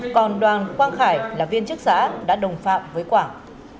còn đoàn quang khải là viên chức xã đã đồng phạm với quảng